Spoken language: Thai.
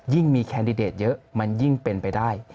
ยิ่งมีแคนดิเดตเยอะมันยิ่งเป็นไปได้